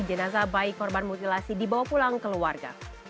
jenazah bayi korban mutilasi dibawa pulang keluarga